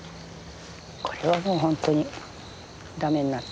これはもう本当に駄目になった。